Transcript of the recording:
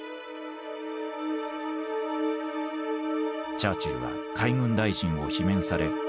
チャーチルは海軍大臣を罷免され